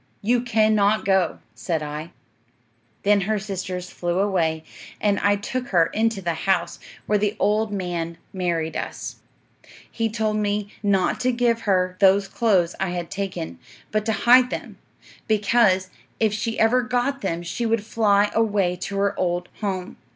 "You cannot go," said I. "'Then her sisters flew away, and I took her into the house, where the old man married us. He told me not to give her those clothes I had taken, but to hide them; because if she ever got them she would fly away to her old home.